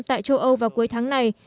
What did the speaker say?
tại châu âu vào cuối tháng này